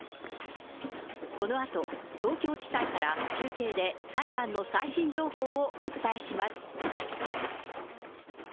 このあと、東京地裁から中継で裁判の最新情報をお伝えします。